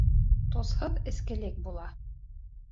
Тосһыҙ эскелек була.